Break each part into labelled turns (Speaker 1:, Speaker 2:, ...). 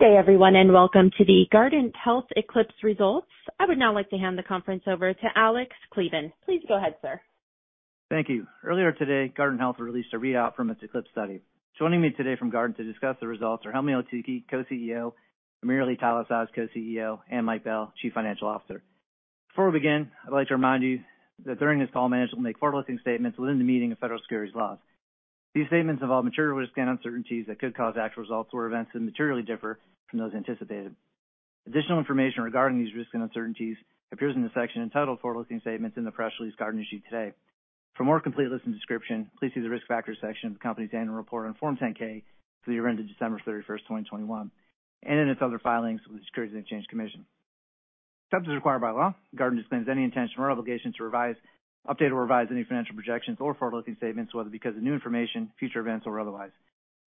Speaker 1: Good day, everyone, Welcome to the Guardant Health ECLIPSE Results. I would now like to hand the conference over to Alex Kleban. Please go ahead, sir.
Speaker 2: Thank you. Earlier today, Guardant Health released a readout from its ECLIPSE study. Joining me today from Guardant to discuss the results are Helmy Eltoukhy, Co-CEO, AmirAli Talasaz, Co-CEO, and Mike Bell, Chief Financial Officer. Before we begin, I'd like to remind you that during this call, management will make forward-looking statements within the meaning of federal securities laws. These statements involve material risk and uncertainties that could cause actual results or events to materially differ from those anticipated. Additional information regarding these risks and uncertainties appears in the section entitled Forward-Looking Statements in the press release Guardant issued today. For a more complete list and description, please see the Risk Factors section of the company's annual report on Form 10-K for the year ended December 31st, 2021, and in its other filings with the Securities and Exchange Commission. Except as required by law, Guardant disclaims any intention or obligation to revise, update, or revise any financial projections or forward-looking statements, whether because of new information, future events, or otherwise.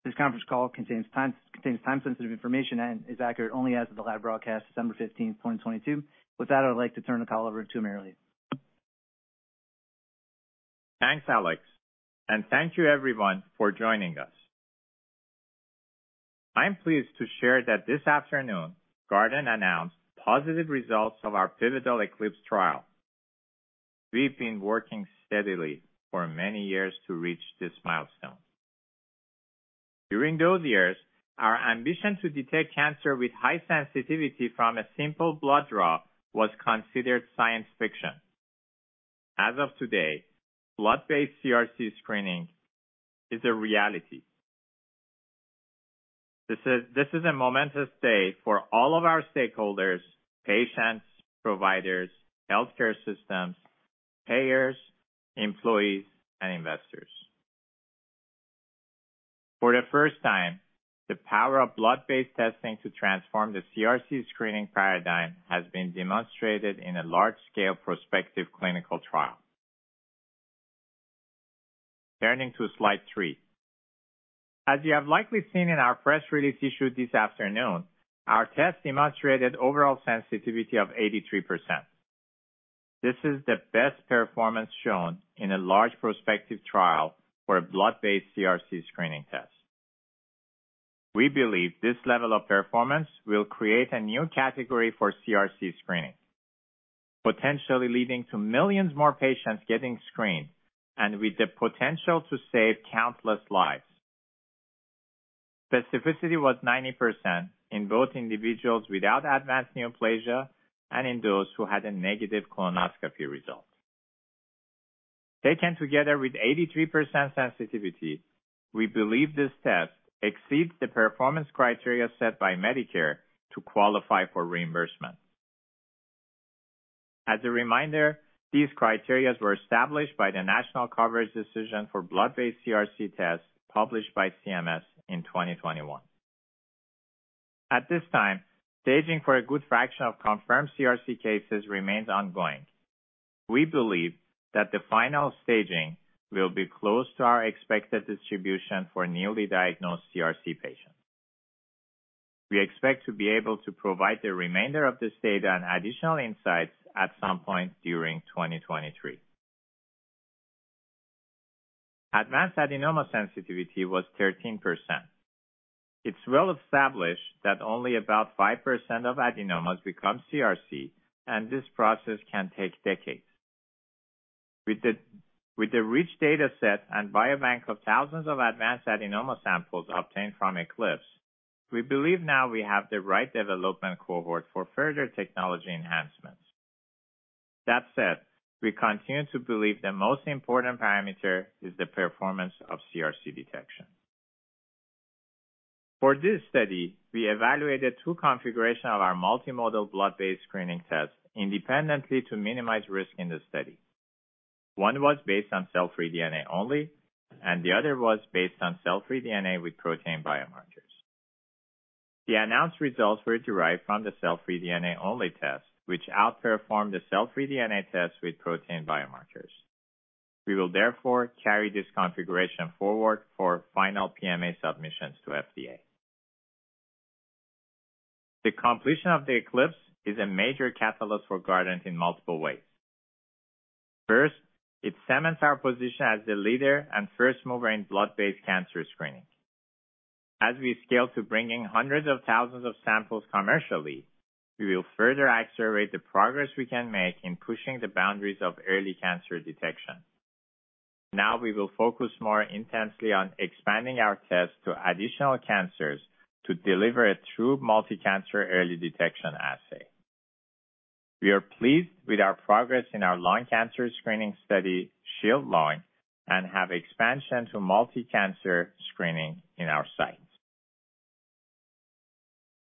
Speaker 2: This conference call contains time-sensitive information and is accurate only as of the live broadcast December 15th, 2022. With that, I would like to turn the call over to AmirAli.
Speaker 3: Thanks, Alex. Thank you everyone for joining us. I'm pleased to share that this afternoon, Guardant announced positive results of our pivotal ECLIPSE trial. We've been working steadily for many years to reach this milestone. During those years, our ambition to detect cancer with high sensitivity from a simple blood draw was considered science fiction. As of today, blood-based CRC screening is a reality. This is a momentous day for all of our stakeholders, patients, providers, healthcare systems, payers, employees, and investors. For the 1st time, the power of blood-based testing to transform the CRC screening paradigm has been demonstrated in a large-scale prospective clinical trial. Turning to slide three. As you have likely seen in our press release issued this afternoon, our test demonstrated overall sensitivity of 83%. This is the best performance shown in a large prospective trial for a blood-based CRC screening test. We believe this level of performance will create a new category for CRC screening, potentially leading to millions more patients getting screened and with the potential to save countless lives. Specificity was 90% in both individuals without advanced neoplasia and in those who had a negative colonoscopy result. Taken together with 83% sensitivity, we believe this test exceeds the performance criteria set by Medicare to qualify for reimbursement. As a reminder, these criteria were established by the National Coverage Determination for blood-based CRC tests published by CMS in 2021. At this time, staging for a good fraction of confirmed CRC cases remains ongoing. We believe that the final staging will be close to our expected distribution for newly diagnosed CRC patients. We expect to be able to provide the remainder of this data and additional insights at some point during 2023. Advanced adenoma sensitivity was 13%. It's well established that only about 5% of adenomas become CRC, and this process can take decades. With the rich data set and biobank of thousands of advanced adenoma samples obtained from ECLIPSE, we believe now we have the right development cohort for further technology enhancements. That said, we continue to believe the most important parameter is the performance of CRC detection. For this study, we evaluated two configuration of our multimodal blood-based screening test independently to minimize risk in the study. One was based on cell-free DNA only, and the other was based on cell-free DNA with protein biomarkers. The announced results were derived from the cell-free DNA only test, which outperformed the cell-free DNA test with protein biomarkers. We will therefore carry this configuration forward for final PMA submissions to FDA. The completion of the ECLIPSE is a major catalyst for Guardant in multiple ways. First, it cements our position as the leader and 1st mover in blood-based cancer screening. As we scale to bringing hundreds of thousands of samples commercially, we will further accelerate the progress we can make in pushing the boundaries of early cancer detection. Now we will focus more intensely on expanding our test to additional cancers to deliver a true multi-cancer early detection assay. We are pleased with our progress in our lung cancer screening study, SHIELD LUNG, and have expansion to multi-cancer screening in our sights.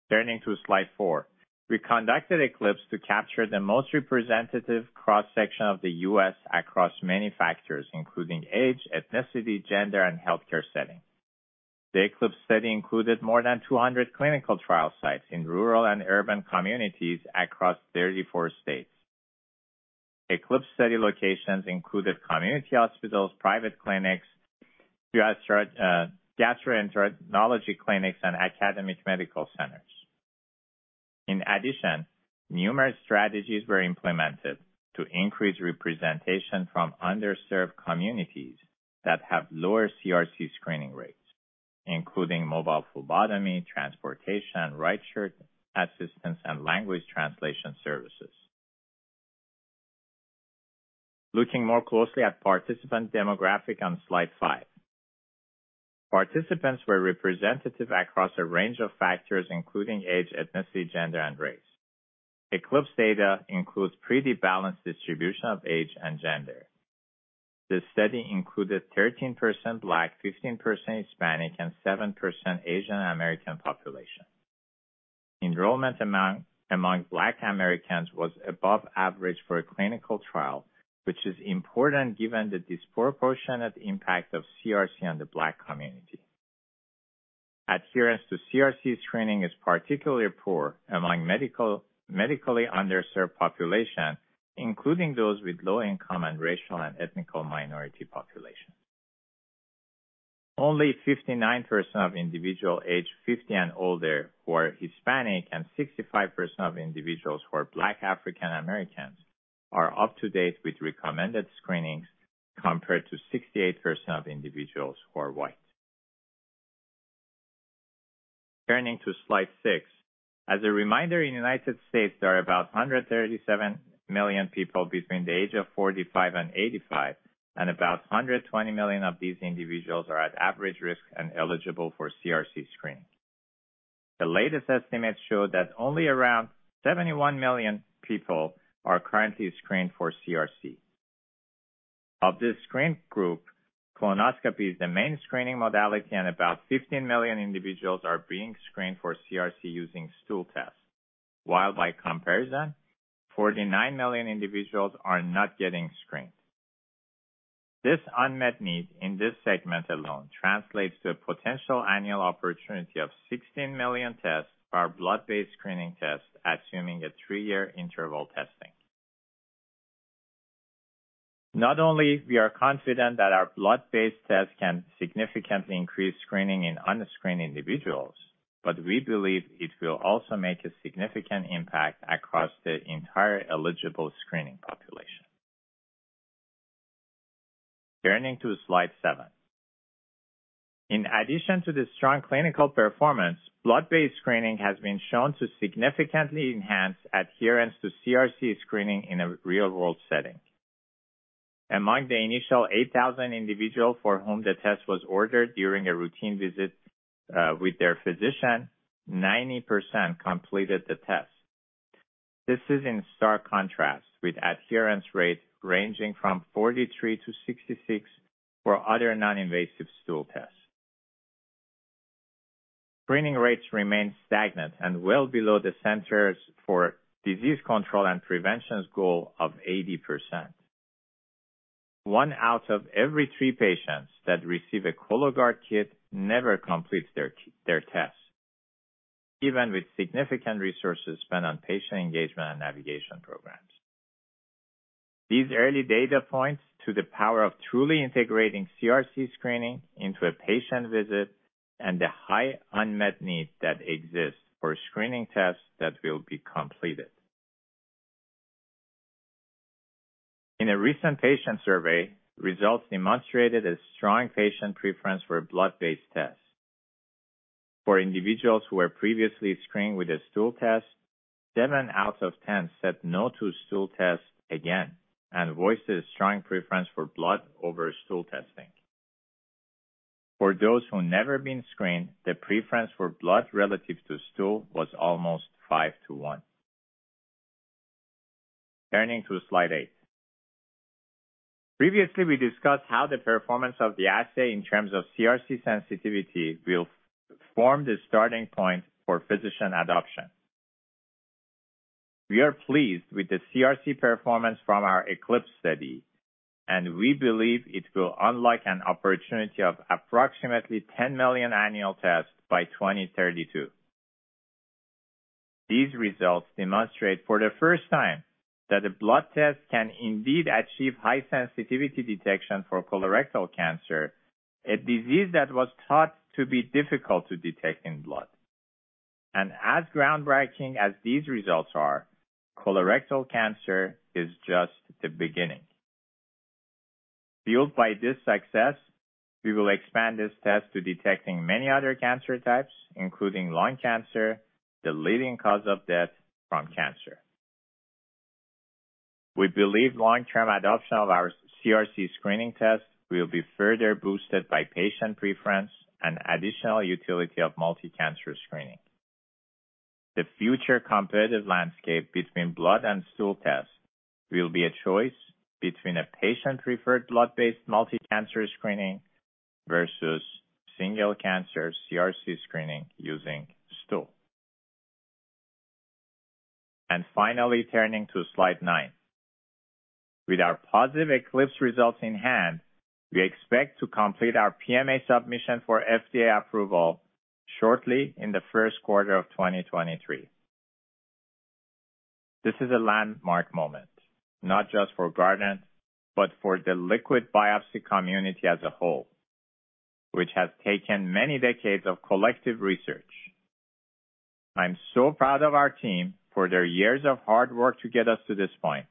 Speaker 3: Turning to slide four. We conducted ECLIPSE to capture the most representative cross-section of the U.S. across many factors, including age, ethnicity, gender, and healthcare setting. The ECLIPSE study included more than 200 clinical trial sites in rural and urban communities across 34 states. ECLIPSE study locations included community hospitals, private clinics, gastroenterology clinics, and academic medical centers. Numerous strategies were implemented to increase representation from underserved communities that have lower CRC screening rates, including mobile phlebotomy, transportation, ride share assistance, and language translation services. Looking more closely at participant demographic on slide five. Participants were representative across a range of factors, including age, ethnicity, gender, and race. ECLIPSE data includes pretty balanced distribution of age and gender. The study included 13% Black, 15% Hispanic, and 7% Asian American population. Enrollment among Black Americans was above average for a clinical trial, which is important given the disproportionate impact of CRC on the Black community. Adherence to CRC screening is particularly poor among medically underserved population, including those with low income and racial and ethnic minority population. Only 59% of individual aged 50 and older who are Hispanic, and 65% of individuals who are Black African Americans are up to date with recommended screenings, compared to 68% of individuals who are White. Turning to slide six. As a reminder, in the United States, there are about 137 million people between the age of 45 and 85, and about 120 million of these individuals are at average risk and eligible for CRC screening. The latest estimates show that only around 71 million people are currently screened for CRC. Of this screened group, colonoscopy is the main screening modality, and about 15 million individuals are being screened for CRC using stool tests, while by comparison, 49 million individuals are not getting screened. This unmet need in this segment alone translates to a potential annual opportunity of 16 million tests for our blood-based screening test, assuming a three year interval testing. Not only we are confident that our blood-based test can significantly increase screening in unscreened individuals, but we believe it will also make a significant impact across the entire eligible screening population. Turning to slide seven. In addition to the strong clinical performance, blood-based screening has been shown to significantly enhance adherence to CRC screening in a real-world setting. Among the initial 8,000 individuals for whom the test was ordered during a routine visit with their physician, 90% completed the test. This is in stark contrast with adherence rates ranging from 43%-66% for other non-invasive stool tests. Screening rates remain stagnant and well below the Centers for Disease Control and Prevention's goal of 80%. One out of every three patients that receive a Cologuard kit never completes their test, even with significant resources spent on patient engagement and navigation programs. These early data points to the power of truly integrating CRC screening into a patient visit and the high unmet need that exists for a screening test that will be completed. In a recent patient survey, results demonstrated a strong patient preference for a blood-based test. For individuals who were previously screened with a stool test, 7/10 said no to stool test again and voiced a strong preference for blood over stool testing. For those who never been screened, the preference for blood relative to stool was almost 5-1. Turning to slide 8. Previously, we discussed how the performance of the assay in terms of CRC sensitivity will form the starting point for physician adoption. We are pleased with the CRC performance from our ECLIPSE study, and we believe it will unlock an opportunity of approximately 10 million annual tests by 2032. These results demonstrate for the 1st time that a blood test can indeed achieve high sensitivity detection for colorectal cancer, a disease that was thought to be difficult to detect in blood. As groundbreaking as these results are, colorectal cancer is just the beginning. Fueled by this success, we will expand this test to detecting many other cancer types, including lung cancer, the leading cause of death from cancer. We believe long-term adoption of our CRC screening test will be further boosted by patient preference and additional utility of multi-cancer screening. The future competitive landscape between blood and stool tests will be a choice between a patient-preferred blood-based multi-cancer screening versus single-cancer CRC screening using stool. Finally, turning to slide nine. With our positive ECLIPSE results in hand, we expect to complete our PMA submission for FDA approval shortly in the 1st quarter of 2023. This is a landmark moment, not just for Guardant, but for the liquid biopsy community as a whole, which has taken many decades of collective research. I'm so proud of our team for their years of hard work to get us to this point.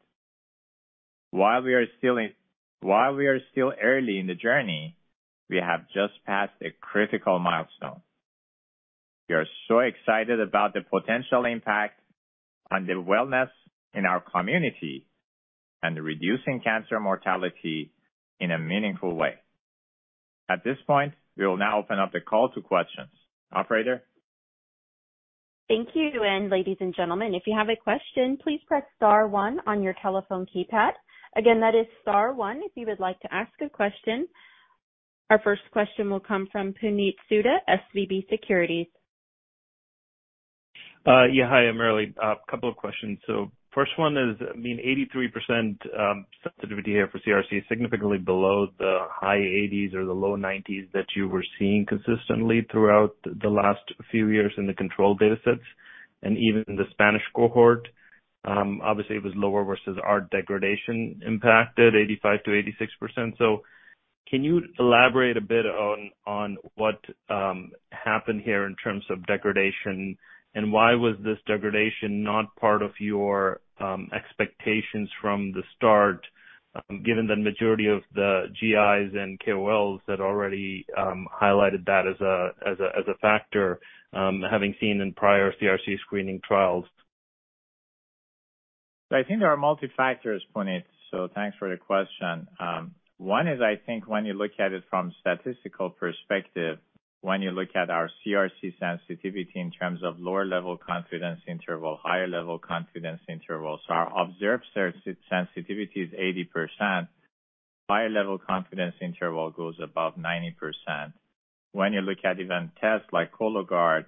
Speaker 3: While we are still early in the journey, we have just passed a critical milestone. We are so excited about the potential impact on the wellness in our community and reducing cancer mortality in a meaningful way. At this point, we will now open up the call to questions. Operator?
Speaker 1: Thank you. Ladies and gentlemen, if you have a question, please press star one on your telephone keypad. Again, that is star one if you would like to ask a question. Our 1st question will come from Puneet Souda, SVB Securities.
Speaker 4: Yeah. Hi, AmirAli. A couple of questions. First one is, I mean, 83% sensitivity here for CRC is significantly below the high 80s or the low 90s that you were seeing consistently throughout the last few years in the control datasets and even the Spanish cohort. Obviously, it was lower versus our degradation impacted 85%-86%. Can you elaborate a bit on what happened here in terms of degradation and why was this degradation not part of your expectations from the start, given the majority of the GIs and KOLs had already highlighted that as a factor, having seen in prior CRC screening trials?
Speaker 3: I think there are multi factors, Puneet Souda, thanks for the question. One is, I think when you look at it from statistical perspective, when you look at our CRC sensitivity in terms of lower level confidence interval, higher level confidence interval. Our observed sensitivity is 80%. Higher level confidence interval goes above 90%. When you look at even tests like Cologuard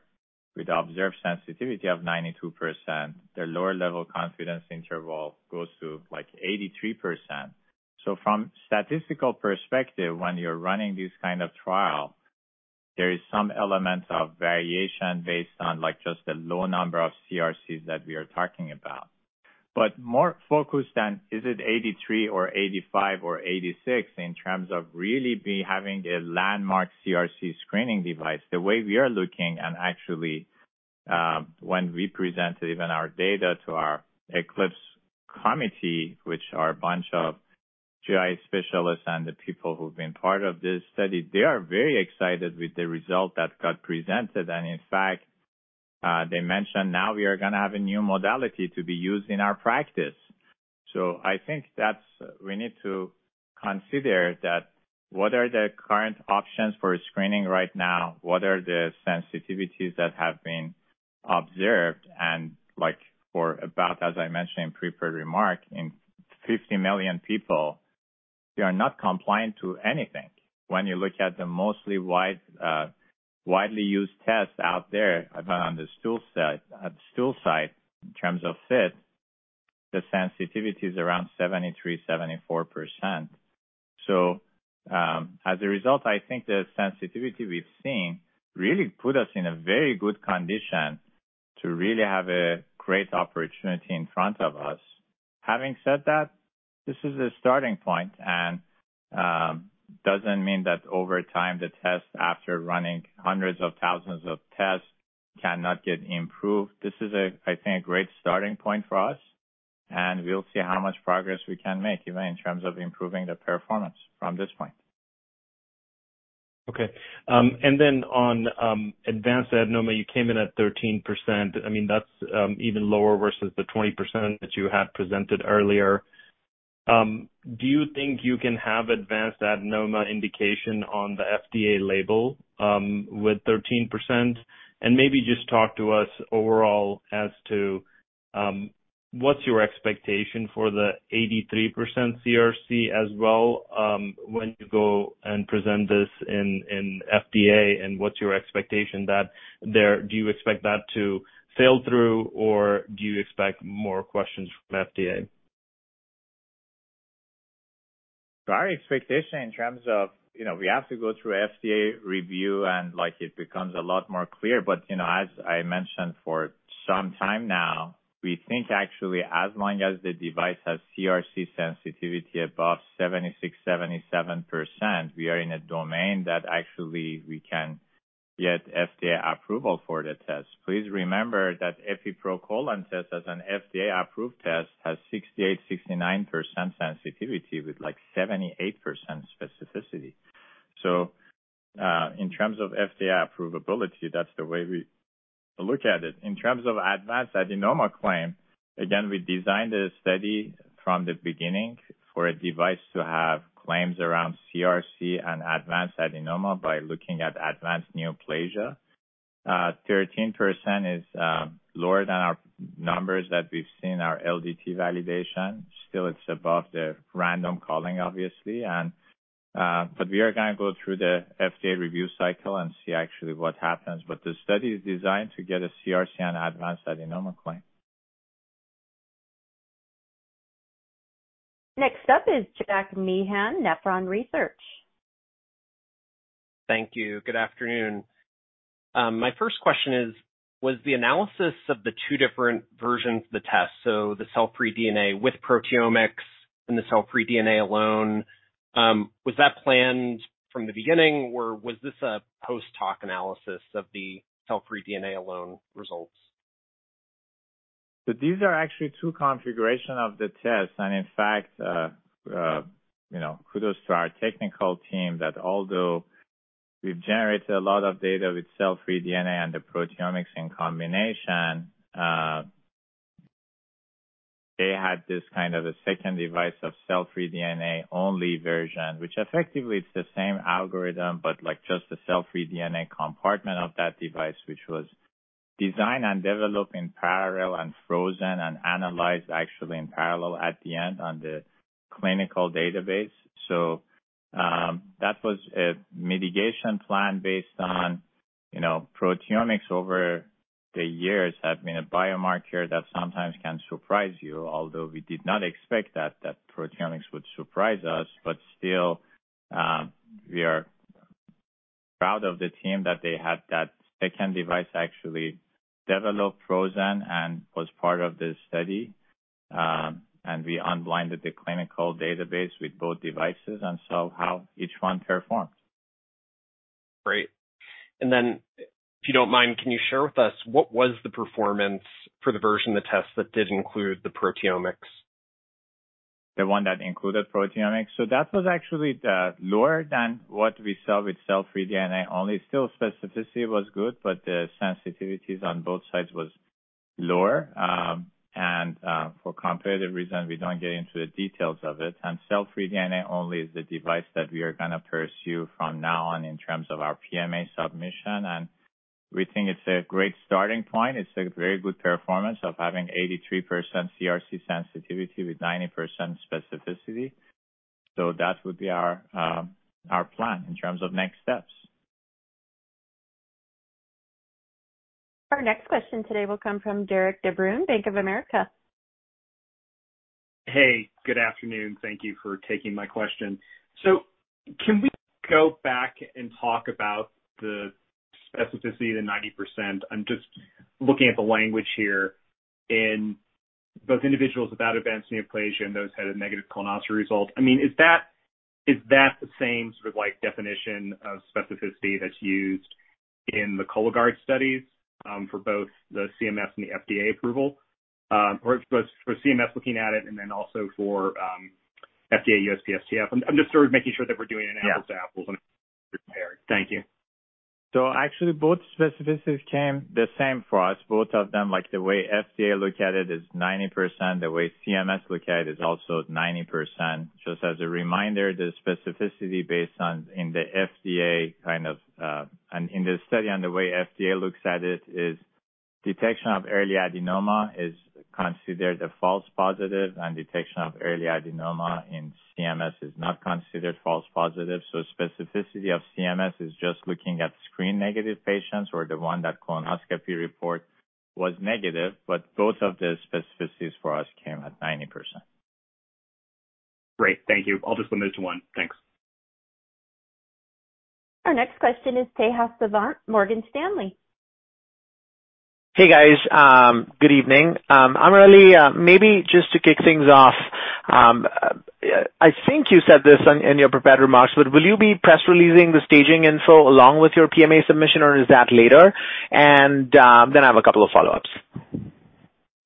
Speaker 3: with observed sensitivity of 92%, their lower level confidence interval goes to, like, 83%. From statistical perspective, when you're running this kind of trial, there is some element of variation based on, like, just the low number of CRCs that we are talking about. More focused than is it 83% or 85% or 86% in terms of really having a landmark CRC screening device, the way we are looking and actually, when we presented even our data to our ECLIPSE committee, which are a bunch of GI specialists and the people who've been part of this study, they are very excited with the result that got presented. In fact, they mentioned now we are gonna have a new modality to be used in our practice. I think that's, we need to consider that what are the current options for screening right now? What are the sensitivities that have been observed? Like for about, as I mentioned in prepared remark, 50 million people, they are not compliant to anything. When you look at the mostly wide, widely used tests out there on the stool side in terms of FIT, the sensitivity is around 73%-74%. As a result, I think the sensitivity we've seen really put us in a very good condition to really have a great opportunity in front of us. Having said that, this is a starting point and doesn't mean that over time the test after running hundreds of thousands of tests cannot get improved. This is a, I think, great starting point for us, and we'll see how much progress we can make even in terms of improving the performance from this point.
Speaker 4: Okay. Then on advanced adenoma, you came in at 13%. I mean, that's even lower versus the 20% that you had presented earlier. Do you think you can have advanced adenoma indication on the FDA label with 13%? Maybe just talk to us overall as to what's your expectation for the 83% CRC as well when you go and present this in FDA, and what's your expectation? Do you expect that to sail through, or do you expect more questions from FDA?
Speaker 3: Our expectation in terms of, you know, we have to go through FDA review and, like, it becomes a lot more clear. You know, as I mentioned for some time now, we think actually as long as the device has CRC sensitivity above 76%, 77%, we are in a domain that actually we can get FDA approval for the test. Please remember that FIT proColon test as an FDA-approved test has 68%, 69% sensitivity with, like, 78% specificity. In terms of FDA approvability, that's the way we look at it. In terms of advanced adenoma claim, again, we designed the study from the beginning for a device to have claims around CRC and advanced adenoma by looking at advanced neoplasia. 13% is lower than our numbers that we've seen our LDT validation. Still it's above the random calling obviously we are gonna go through the FDA review cycle and see actually what happens. The study is designed to get a CRC and advanced adenoma claim.
Speaker 1: Next up is Jack Meehan, Nephron Research.
Speaker 5: Thank you. Good afternoon. My 1st question is, was the analysis of the two different versions of the test, so the cell-free DNA with proteomics and the cell-free DNA alone, was that planned from the beginning, or was this a post-hoc analysis of the cell-free DNA alone results?
Speaker 3: These are actually two configurations of the test. In fact, you know, kudos to our technical team that although we've generated a lot of data with cell-free DNA and the proteomics in combination, they had this kind of a 2nd device of cell-free DNA only version, which effectively it's the same algorithm, but like just the cell-free DNA compartment of that device, which was designed and developed in parallel and frozen and analyzed actually in parallel at the end on the clinical database. That was a mitigation plan based on, you know, proteomics over the years have been a biomarker that sometimes can surprise you, although we did not expect that proteomics would surprise us. Still, we are proud of the team that they had that 2nd device actually developed, frozen, and was part of this study. We unblinded the clinical database with both devices and saw how each one performed.
Speaker 5: Great. If you don't mind, can you share with us what was the performance for the version of the test that did include the proteomics?
Speaker 3: The one that included proteomics? That was actually lower than what we saw with cell-free DNA only. Still specificity was good, but the sensitivities on both sides was lower. For comparative reason, we don't get into the details of it. Cell-free DNA only is the device that we are gonna pursue from now on in terms of our PMA submission, and we think it's a great starting point. It's a very good performance of having 83% CRC sensitivity with 90% specificity. That would be our plan in terms of next steps.
Speaker 1: Our next question today will come from Derik De Bruin, Bank of America.
Speaker 6: Hey, good afternoon. Thank Thank you for taking my question. Can we go back and talk about the specificity, the 90%? I'm just looking at the language here. In both individuals without advanced neoplasia and those had a negative colonoscopy result, I mean, is that the same sort of like definition of specificity that's used in the Cologuard studies for both the CMS and the FDA approval? Or both for CMS looking at it and then also for FDA USPSTF. I'm just sort of making sure that we're doing an apples-.
Speaker 3: Yeah.
Speaker 6: -to-apples comparison. Thank you.
Speaker 3: Actually both specificity came the same for us, both of them, like the way FDA look at it is 90%. The way CMS look at it is also 90%. Just as a reminder, the specificity based on in the FDA kind of, and in the study and the way FDA looks at it is detection of early adenoma is considered a false positive and detection of early adenoma in CMS is not considered false positive. Specificity of CMS is just looking at screen negative patients or the one that colonoscopy report was negative, but both of the specificities for us came at 90%.
Speaker 6: Great. Thank you. I'll just limit it to one. Thanks.
Speaker 1: Our next question is Tejas Savant, Morgan Stanley.
Speaker 7: Hey, guys. Good evening. AmirAli, maybe just to kick things off, I think you said this in your prepared remarks, will you be press releasing the staging info along with your PMA submission, or is that later? Then I have a couple of follow-ups.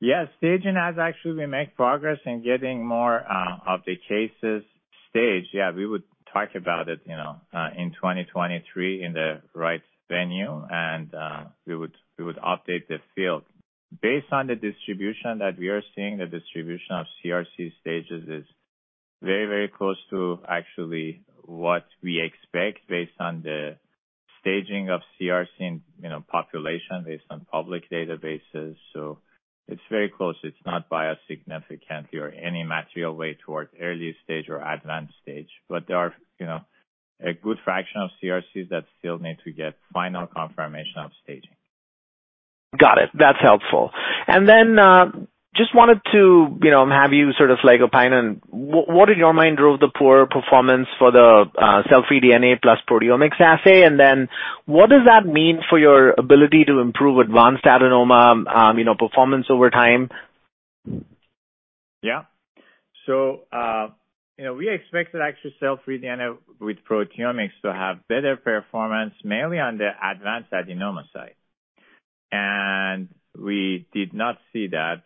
Speaker 3: Yeah. Staging has actually we make progress in getting more of the cases staged. Yeah, we would talk about it, you know, in 2023 in the right venue and, we would update the field. Based on the distribution that we are seeing, the distribution of CRC stages is very close to actually what we expect based on the staging of CRC in, you know, population based on public databases. It's very close. There are, you know, a good fraction of CRCs that still need to get final confirmation of staging.
Speaker 7: Got it. That's helpful. Just wanted to, you know, have you sort of like opine on what in your mind drove the poor performance for the cell-free DNA plus proteomics assay, and then what does that mean for your ability to improve advanced adenoma, you know, performance over time?
Speaker 3: You know, we expected actually cell-free DNA with proteomics to have better performance, mainly on the advanced adenoma side. We did not see that.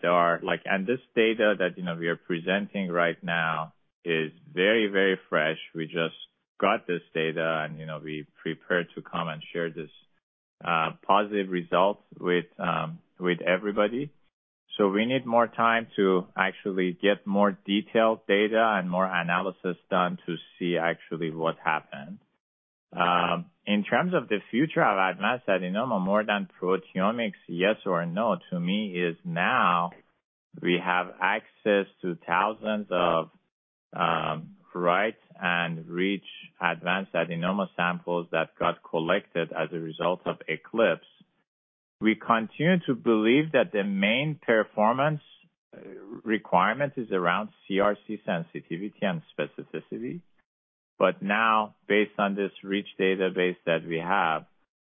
Speaker 3: This data that, you know, we are presenting right now is very, very fresh. We just got this data and, you know, we prepared to come and share this positive results with everybody. We need more time to actually get more detailed data and more analysis done to see actually what happened. In terms of the future of advanced adenoma, more than proteomics, yes or no, to me is now we have access to thousands of right and reach advanced adenoma samples that got collected as a result of ECLIPSE. We continue to believe that the main performance requirement is around CRC sensitivity and specificity. Now based on this reach database that we have,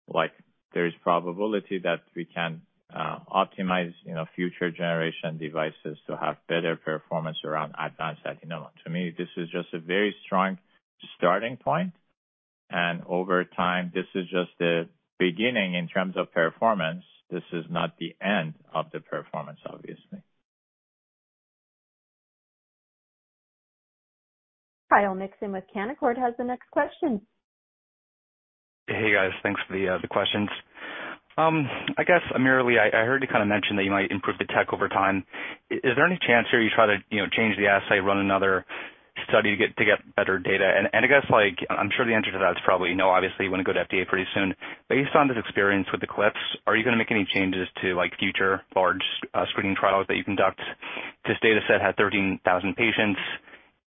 Speaker 3: like, there is probability that we can optimize, you know, future generation devices to have better performance around advanced adenoma. To me, this is just a very strong starting point, and over time, this is just the beginning in terms of performance. This is not the end of the performance, obviously.
Speaker 1: Kyle Mikson with Canaccord has the next question.
Speaker 8: Hey, guys. Thanks for the questions. I guess, AmirAli, I heard you kind of mention that you might improve the tech over time. Is there any chance here you try to, you know, change the assay, run another study to get better data? I guess, like, I'm sure the answer to that is probably no, obviously, you want to go to FDA pretty soon. Based on this experience with ECLIPSE, are you gonna make any changes to, like, future large screening trials that you conduct? This data set had 13,000 patients.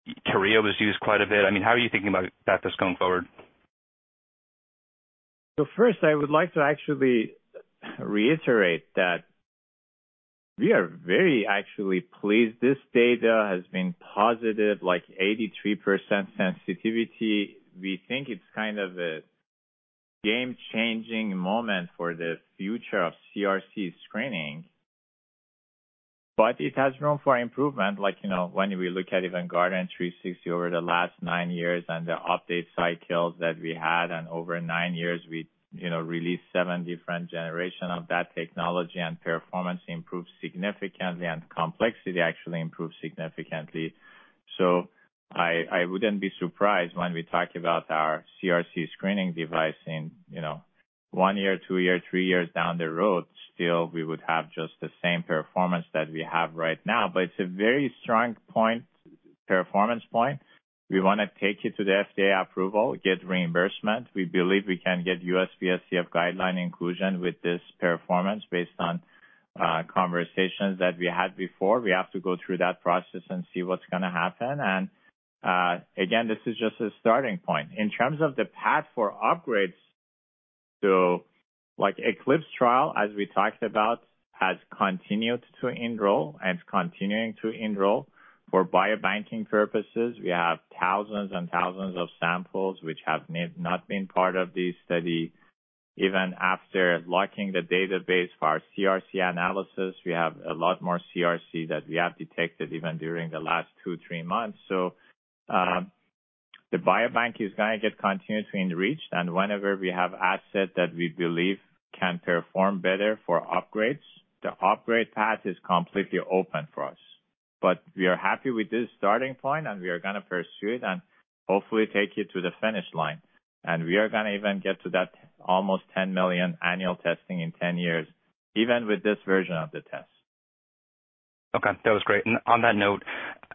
Speaker 8: LUNAR assay was used quite a bit. I mean, how are you thinking about that just going forward?
Speaker 3: First, I would like to actually reiterate that we are very actually pleased this data has been positive, like 83% sensitivity. We think it's kind of a game-changing moment for the future of CRC screening. It has room for improvement, like, you know, when we look at even Guardant360 over the last nine years and the update cycles that we had, and over nine years we, you know, released seven different generation of that technology and performance improved significantly, and complexity actually improved significantly. I wouldn't be surprised when we talk about our CRC screening device in, you know, one year, two year, three years down the road, still we would have just the same performance that we have right now. It's a very strong point, performance point. We wanna take it to the FDA approval, get reimbursement. We believe we can get USPSTF guideline inclusion with this performance based on conversations that we had before. We have to go through that process and see what's gonna happen. Again, this is just a starting point. In terms of the path for upgrades, like ECLIPSE trial, as we talked about, has continued to enroll and continuing to enroll for bio-banking purposes. We have thousands and thousands of samples which have not been part of this study. Even after locking the database for our CRC analysis, we have a lot more CRC that we have detected even during the last two, three months. The biobank is gonna get continuously enriched, and whenever we have asset that we believe can perform better for upgrades, the upgrade path is completely open for us. We are happy with this starting point, and we are gonna pursue it and hopefully take it to the finish line. We are gonna even get to that almost 10 million annual testing in 10 years, even with this version of the test.
Speaker 8: Okay. That was great. On that note,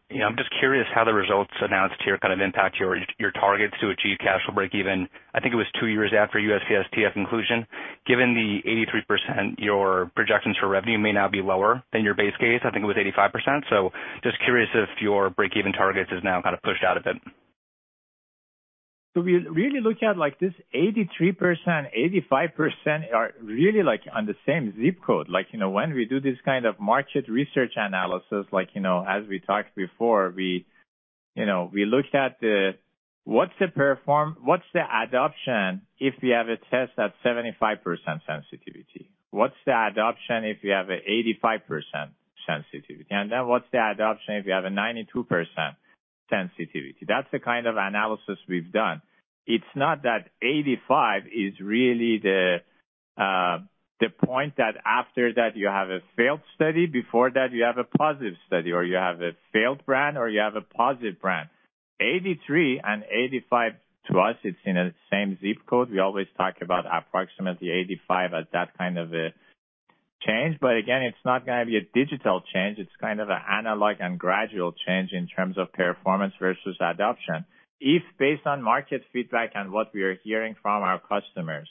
Speaker 8: you know, I'm just curious how the results announced here kind of impact your targets to achieve cash flow break even. I think it was two years after USPSTF inclusion. Given the 83%, your projections for revenue may now be lower than your base case. I think it was 85%. Just curious if your break-even targets is now kind of pushed out a bit.
Speaker 3: We really look at, like this 83%, 85% are really like on the same ZIP code. You know, when we do this kind of market research analysis, like, you know, as we talked before, we, you know, we look at the, what's the adoption if we have a test at 75% sensitivity? What's the adoption if you have a 85% sensitivity? What's the adoption if you have a 92% sensitivity? That's the kind of analysis we've done. It's not that 85 is really the point that after that you have a failed study, before that you have a positive study, or you have a failed brand, or you have a positive brand. 83% and 85%, to us, it's in the same ZIP code. We always talk about approximately 85% as that kind of a change. again, it's not gonna be a digital change. It's kind of an analog and gradual change in terms of performance versus adoption. If based on market feedback and what we are hearing from our customers,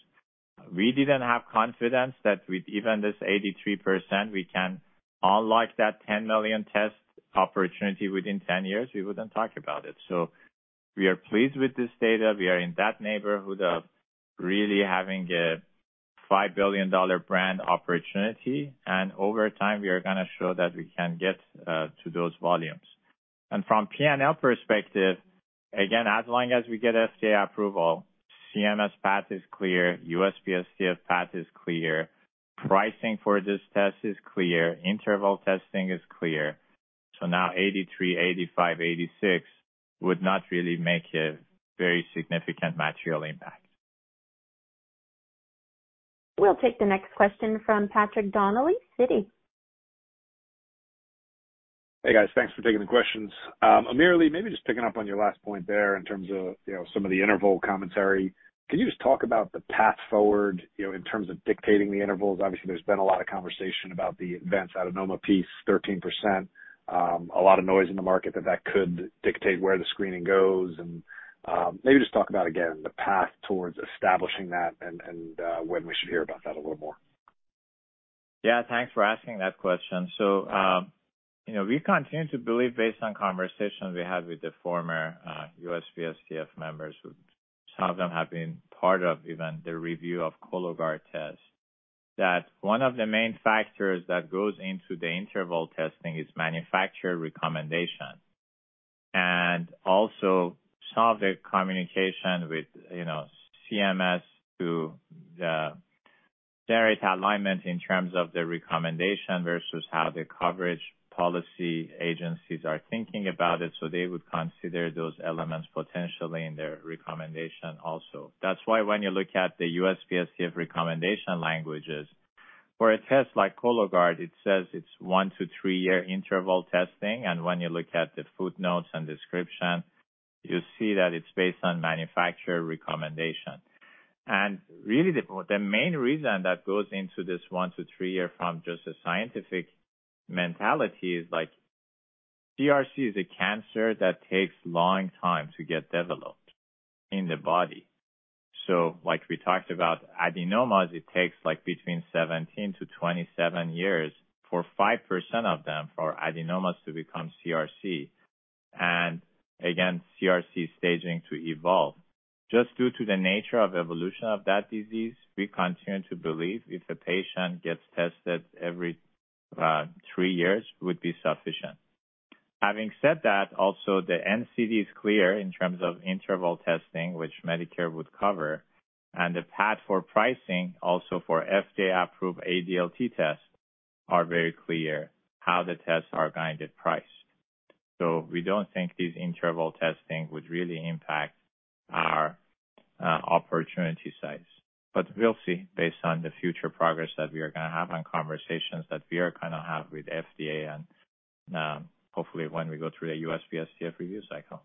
Speaker 3: we didn't have confidence that with even this 83% we can unlock that 10 million test opportunity within 10 years, we wouldn't talk about it. We are pleased with this data. We are in that neighborhood of really having a $5 billion brand opportunity. Over time we are gonna show that we can get to those volumes. From P&L perspective, again, as long as we get FDA approval, CMS path is clear, USPSTF path is clear, pricing for this test is clear, interval testing is clear. Now 83%, 85%, 86% would not really make a very significant material impact.
Speaker 1: We'll take the next question from Patrick Donnelly, Citi.
Speaker 9: Hey, guys. Thanks for taking the questions. AmirAli, maybe just picking up on your last point there in terms of, you know, some of the interval commentary. Can you just talk about the path forward, you know, in terms of dictating the intervals? Obviously, there's been a lot of conversation about the advanced adenoma piece, 13%. A lot of noise in the market that that could dictate where the screening goes. Maybe just talk about again the path towards establishing that and, when we should hear about that a little more.
Speaker 3: Yeah, thanks for asking that question. You know, we continue to believe based on conversations we had with the former USPSTF members, who some of them have been part of even the review of Cologuard test, that one of the main factors that goes into the interval testing is manufacturer recommendation and also solve the communication with, you know, CMS there is alignment in terms of the recommendation versus how the coverage policy agencies are thinking about it. They would consider those elements potentially in their recommendation also. That's why when you look at the USPSTF recommendation languages for a test like Cologuard, it says it's one to three-year interval testing. When you look at the footnotes and description, you see that it's based on manufacturer recommendation. Really the main reason that goes into this one to three year from just a scientific mentality is like CRC is a cancer that takes long time to get developed in the body. Like we talked about adenomas, it takes like between 17-27 years for 5% of them for adenomas to become CRC and again, CRC staging to evolve. Just due to the nature of evolution of that disease, we continue to believe if a patient gets tested every three years would be sufficient. Having said that, also the NCD is clear in terms of interval testing, which Medicare would cover, and the path for pricing also for FDA-approved ADLT tests are very clear how the tests are guided priced. We don't think this interval testing would really impact our opportunity size. We'll see based on the future progress that we are gonna have and conversations that we are gonna have with FDA and, hopefully when we go through the USPSTF review cycle.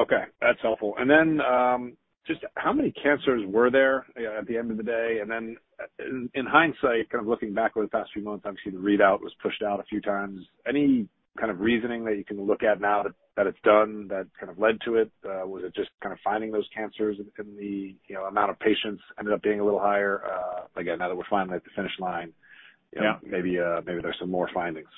Speaker 9: Okay, that's helpful. Just how many cancers were there at the end of the day? In hindsight, kind of looking back over the past few months, obviously the readout was pushed out a few times. Any kind of reasoning that you can look at now that it's done that kind of led to it? Was it just kind of finding those cancers and the, you know, amount of patients ended up being a little higher? Again, now that we're finally at the finish line?
Speaker 3: Yeah...
Speaker 9: maybe there's some more findings.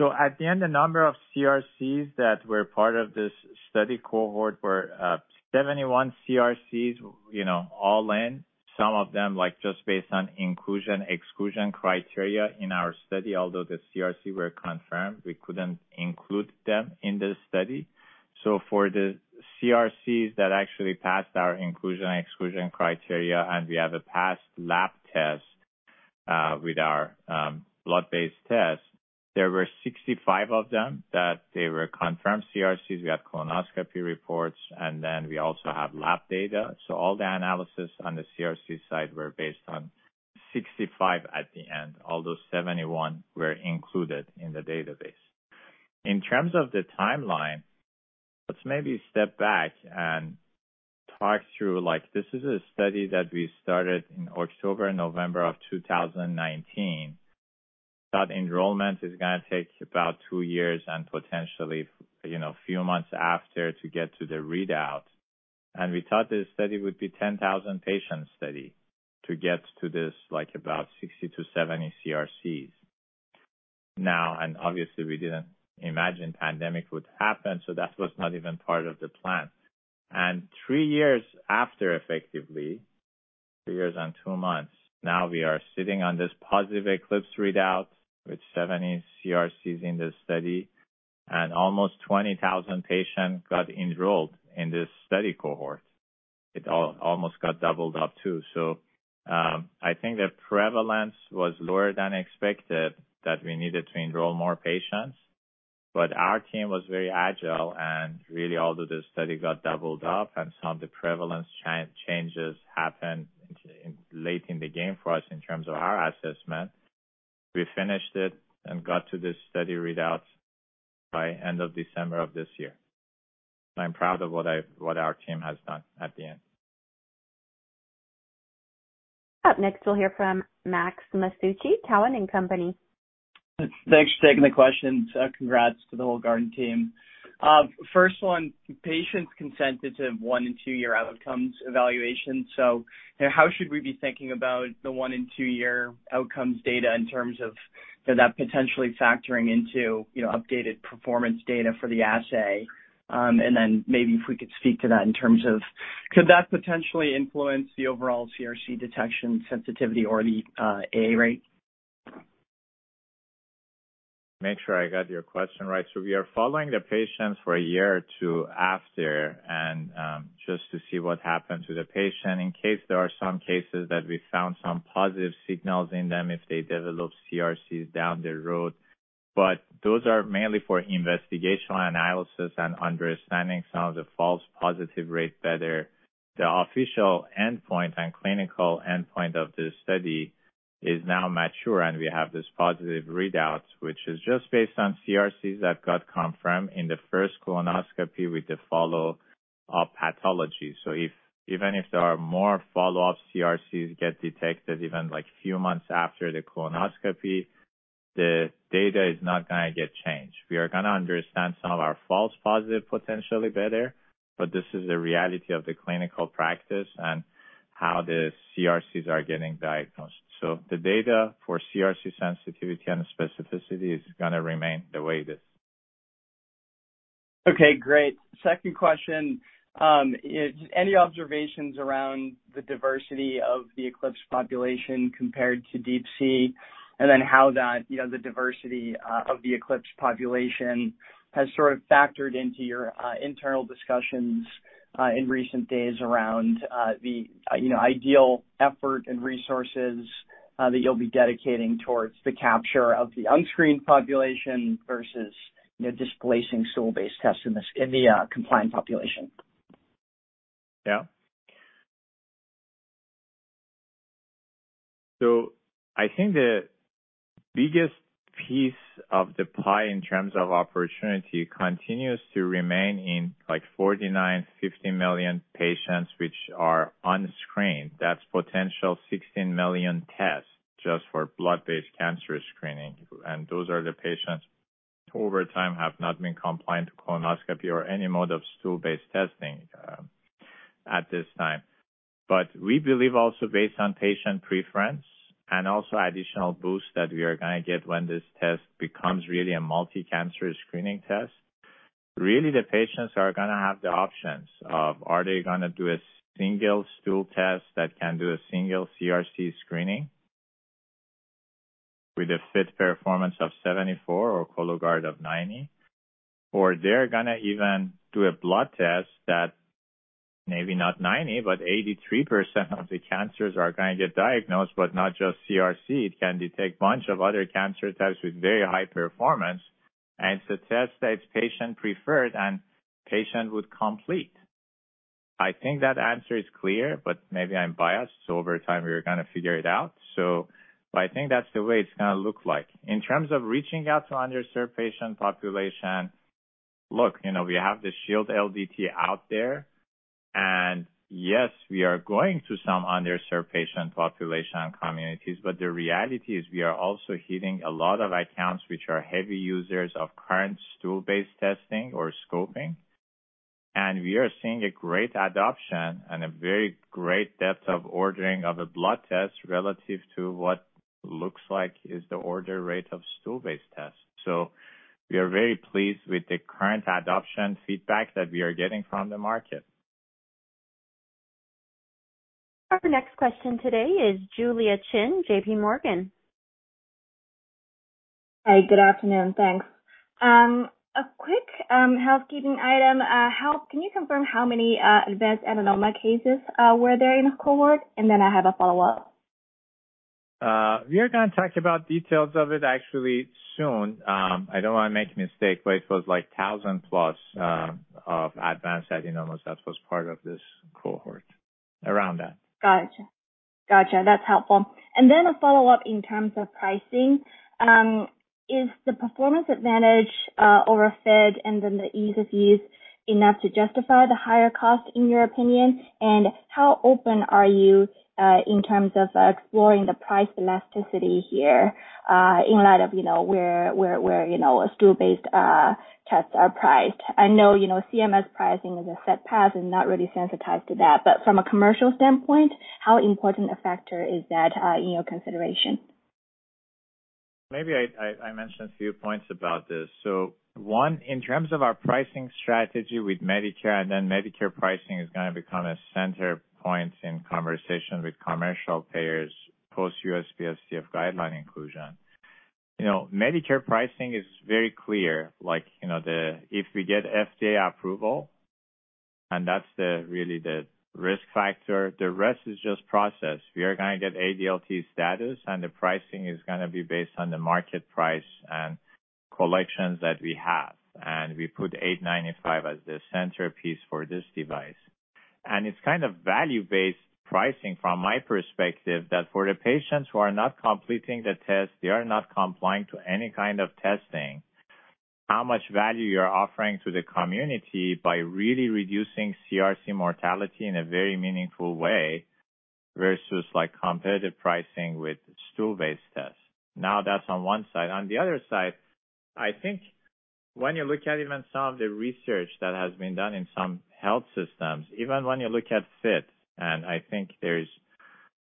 Speaker 3: At the end, the number of CRCs that were part of this study cohort were 71 CRCs, you know, all in. Some of them, like, just based on inclusion, exclusion criteria in our study. Although the CRC were confirmed, we couldn't include them in the study. For the CRCs that actually passed our inclusion, exclusion criteria, and we have a passed lab test with our blood-based test, there were 65 of them that they were confirmed CRCs. We had colonoscopy reports, and then we also have lab data. All the analysis on the CRC side were based on 65 at the end, although 71 were included in the database. In terms of the timeline, let's maybe step back and talk through, like, this is a study that we started in October, November of 2019, that enrollment is gonna take about two years and potentially, you know, few months after to get to the readout. We thought this study would be 10,000 patients study to get to this, like, about 60-70 CRCs. Now, obviously we didn't imagine pandemic would happen, so that was not even part of the plan. three years after, effectively, three years and two months now, we are sitting on this positive ECLIPSE readout with 70 CRCs in this study, and almost 20,000 patients got enrolled in this study cohort. It almost got doubled up, too. I think the prevalence was lower than expected that we needed to enroll more patients. Our team was very agile and really, although the study got doubled up and some of the prevalence changes happened late in the game for us in terms of our assessment, we finished it and got to this study readout by end of December of this year. I'm proud of what our team has done at the end.
Speaker 1: Up next, we'll hear from Max Masucci, Cowen and Company.
Speaker 10: Thanks for taking the questions. Congrats to the whole Guardant team. First one, patients consented to one and two-year outcomes evaluation. How should we be thinking about the one and two-year outcomes data in terms of that potentially factoring into, you know, updated performance data for the assay? Maybe if we could speak to that in terms of could that potentially influence the overall CRC detection sensitivity or the adherence rate?
Speaker 3: Make sure I got your question right. We are following the patients for a year or two after, just to see what happened to the patient in case there are some cases that we found some positive signals in them if they develop CRCs down the road. Those are mainly for investigational analysis and understanding some of the false positive rate better. The official endpoint and clinical endpoint of this study is now mature, and we have this positive readout, which is just based on CRCs that got confirmed in the 1st colonoscopy with the follow-up pathology. Even if there are more follow-up CRCs get detected even like few months after the colonoscopy, the data is not going to get changed. We are going to understand some of our false positive potentially better. This is the reality of the clinical practice and how the CRCs are getting diagnosed. The data for CRC sensitivity and specificity is going to remain the way it is.
Speaker 10: Okay, great. Second question, is any observations around the diversity of the ECLIPSE population compared to, and then how that, you know, the diversity of the ECLIPSE population has sort of factored into your internal discussions in recent days around the, you know, ideal effort and resources that you'll be dedicating towards the capture of the unscreened population versus, you know, displacing stool-based tests in the compliant population?
Speaker 3: Yeah. I think the biggest piece of the pie in terms of opportunity continues to remain in like 49, 50 million patients which are unscreened. That's potential 16 million tests just for blood-based cancer screening. Those are the patients who over time have not been compliant to colonoscopy or any mode of stool-based testing at this time. We believe also based on patient preference and also additional boost that we are going to get when this test becomes really a multi-cancer screening test, really the patients are going to have the options of are they going to do a single stool test that can do a single CRC screening with a FIT performance of 74% or Cologuard of 90%? They're gonna even do a blood test that maybe not 90%, but 83% of the cancers are going to get diagnosed, but not just CRC. It can detect bunch of other cancer types with very high performance. It's a test that's patient preferred and patient would complete. I think that answer is clear, but maybe I'm biased, so over time we are going to figure it out. I think that's the way it's going to look like. In terms of reaching out to underserved patient population, look, you know, we have the Shield LDT out there, yes, we are going to some underserved patient population and communities, but the reality is we are also hitting a lot of accounts which are heavy users of current stool-based testing or scoping. We are seeing a great adoption and a very great depth of ordering of a blood test relative to what looks like is the order rate of stool-based tests. We are very pleased with the current adoption feedback that we are getting from the market.
Speaker 1: Our next question today is Julia Qin, J.P. Morgan.
Speaker 11: Hi, good afternoon. Thanks. A quick housekeeping item. Can you confirm how many advanced adenoma cases were there in the cohort? I have a follow-up.
Speaker 3: We are going to talk about details of it actually soon. I don't want to make a mistake, but it was like 1,000+ of advanced adenomas that was part of this cohort, around that.
Speaker 11: Gotcha. Gotcha, that's helpful. Then a follow-up in terms of pricing. Is the performance advantage over FIT and then the ease of use enough to justify the higher cost in your opinion? How open are you in terms of exploring the price elasticity here in light of, you know, where, where, you know, a stool-based tests are priced? I know, you know, CMS pricing is a set path and not really sensitized to that, but from a commercial standpoint, how important a factor is that in your consideration?
Speaker 3: Maybe I mentioned a few points about this. One, in terms of our pricing strategy with Medicare. Medicare pricing is going to become a center point in conversation with commercial payers post-USPSTF guideline inclusion. You know, Medicare pricing is very clear, like, you know, if we get FDA approval, and that's the really the risk factor, the rest is just process. We are going to get ADLT status. The pricing is gonna be based on the market price and collections that we have. We put $895 as the centerpiece for this device. It's kind of value-based pricing from my perspective, that for the patients who are not completing the test, they are not complying to any kind of testing, how much value you're offering to the community by really reducing CRC mortality in a very meaningful way versus like competitive pricing with stool-based tests. That's on one side. On the other side, I think when you look at even some of the research that has been done in some health systems, even when you look at FIT, and I think there's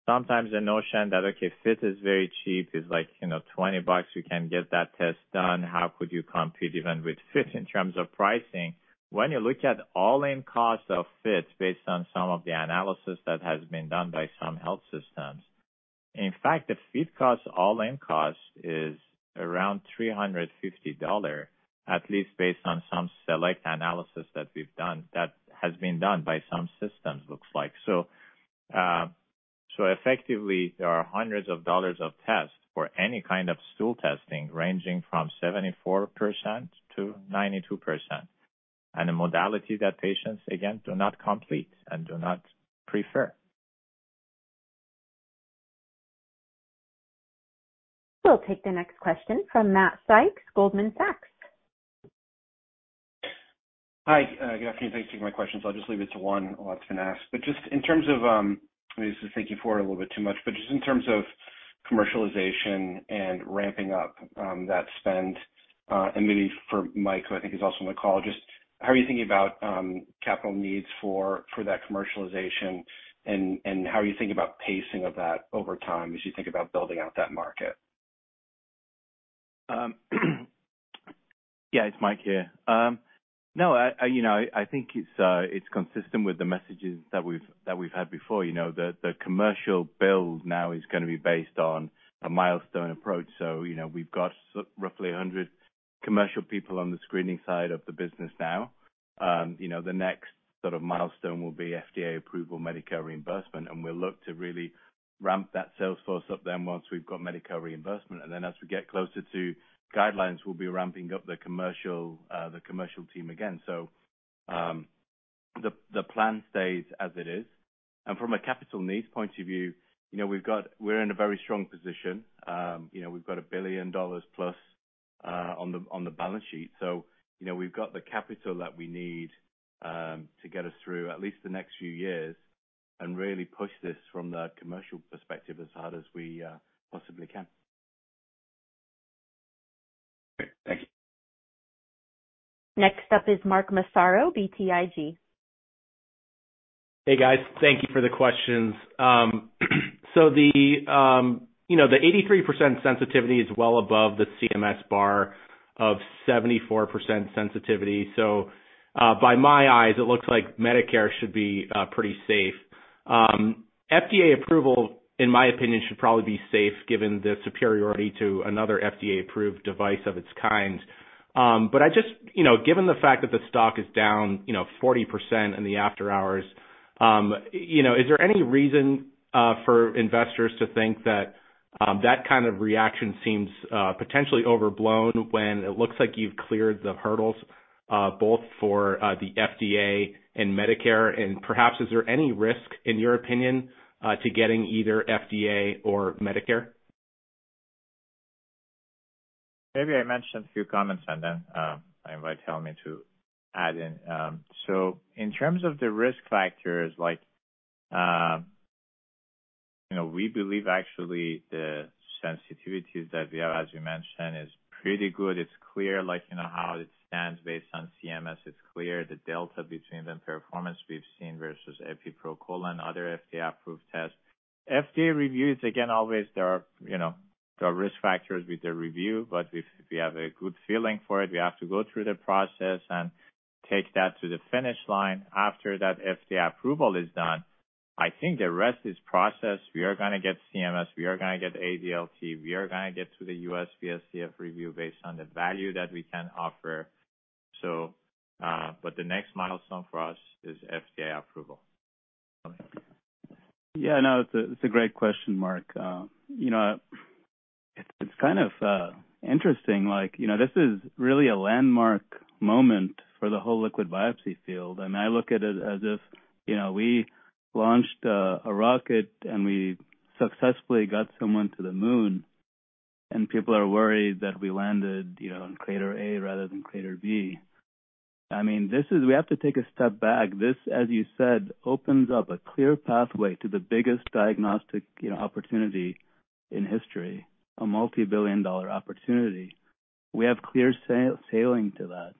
Speaker 3: sometimes a notion that, okay, FIT is very cheap. It's like, you know, $20, you can get that test done. How could you compete even with FIT in terms of pricing? When you look at all-in cost of FIT based on some of the analysis that has been done by some health systems, in fact, the FIT costs, all-in cost is around $350, at least based on some select analysis that has been done by some systems looks like. Effectively, there are hundreds of dollars of tests for any kind of stool testing, ranging from 74%-92%. A modality that patients, again, do not complete and do not prefer.
Speaker 1: We'll take the next question from Matt Sykes, Goldman Sachs.
Speaker 12: Hi. Good afternoon. Thanks for taking my questions. I'll just leave it to one. A lot's been asked, but just in terms of, maybe this is thinking forward a little bit too much, but just in terms of commercialization and ramping up that spend, and maybe for Mike, who I think is also on the call, just how are you thinking about capital needs for that commercialization and how are you thinking about pacing of that over time as you think about building out that market?
Speaker 13: Yeah, it's Mike here. No, I, you know, I think it's consistent with the messages that we've, that we've had before. You know, the commercial build now is gonna be based on a milestone approach. You know, we've got roughly 100 commercial people on the screening side of the business now. You know, the next sort of milestone will be FDA approval, Medicare reimbursement, and we'll look to really ramp that sales force up then once we've got Medicare reimbursement. As we get closer to guidelines, we'll be ramping up the commercial, the commercial team again. The plan stays as it is. From a capital needs point of view, you know, We're in a very strong position. You know, we've got $1 billion+ on the balance sheet. You know, we've got the capital that we need to get us through at least the next few years and really push this from the commercial perspective as hard as we possibly can.
Speaker 12: Great. Thank you.
Speaker 1: Next up is Mark Massaro, BTIG.
Speaker 14: Hey, guys. Thank you for the questions. you know, the 83% sensitivity is well above the CMS bar of 74% sensitivity. by my eyes, it looks like Medicare should be pretty safe. FDA approval, in my opinion, should probably be safe given the superiority to another FDA-approved device of its kind. I just, you know, given the fact that the stock is down, you know, 40% in the after hours, you know, is there any reason for investors to think that kind of reaction seems potentially overblown when it looks like you've cleared the hurdles both for the FDA and Medicare? Perhaps is there any risk, in your opinion, to getting either FDA or Medicare?
Speaker 3: Maybe I mention a few comments and then I invite Helmy to add in. In terms of the risk factors, like, you know, we believe actually the sensitivities that we have, as you mentioned, is pretty good. It's clear, like, you know, how it stands based on CMS. It's clear the delta between the performance we've seen versus Epi proColon, other FDA-approved tests. FDA reviews, again, always there are, you know, there are risk factors with the review, but we have a good feeling for it. We have to go through the process and take that to the finish line. After that FDA approval is done, I think the rest is process. We are gonna get CMS, we are gonna get ADLT, we are gonna get to the USPSTF review based on the value that we can offer. The next milestone for us is FDA approval. Helmy?
Speaker 13: Yeah, no, it's a great question, Mark. You know, it's kind of interesting, like, you know, this is really a landmark moment for the whole liquid biopsy field. I look at it as if, you know, we launched a rocket, and we successfully got someone to the moon, and people are worried that we landed, you know, on crater A rather than crater B. I mean, this is. We have to take a step back. This, as you said, opens up a clear pathway to the biggest diagnostic, you know, opportunity in history, a multi-billion-dollar opportunity. We have clear sailing to that.